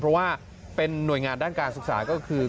เพราะว่าเป็นหน่วยงานด้านการศึกษาก็คือ